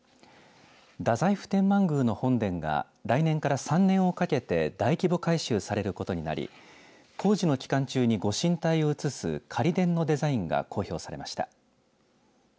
太宰府天満宮の本殿が来年から３年をかけて大規模改修されることになり工事の期間中に、ご神体を移す仮殿のデザインが公表されました。